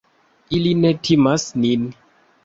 Ili ne timas nin.